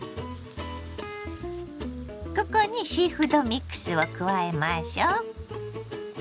ここにシーフードミックスを加えましょ。